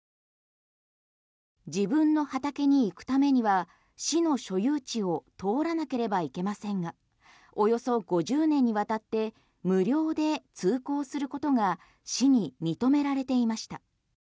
自分の畑に行くためには市の所有地を通らなければいけませんがおよそ５０年にわたって無料で通行することが市に認められていました。